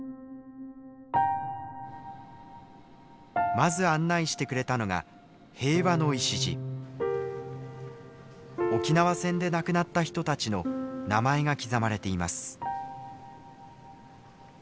まず案内してくれたのが沖縄戦で亡くなった人たちの名前が刻まれています。